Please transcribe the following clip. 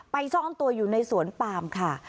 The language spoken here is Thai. ซ่อนตัวอยู่ในสวนปามค่ะ